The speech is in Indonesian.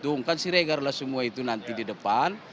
tunggak siregar lah semua itu nanti di depan